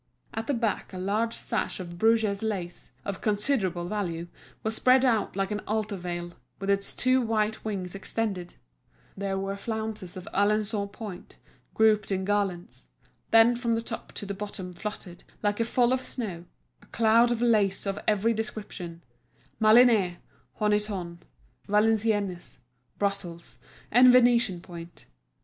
At the back a large sash of Bruges lace, of considerable value, was spread out like an altar veil, with its two white wings extended; there were flounces of Alençon point, grouped in garlands; then from the top to the bottom fluttered, like a fall of snow, a cloud of lace of every description—Malines, Honiton, Valenciennes, Brussels, and Venetian point.